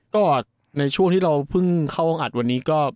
ก็ในช่วงที่เราเพิ่งเข้าห้องอัดวันนี้ก็